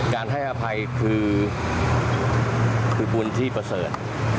การให้อภัยคือคือบุญที่เผชิญ